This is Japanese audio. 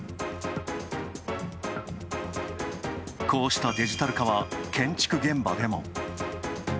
こうしたデジタル化は建築現場でも。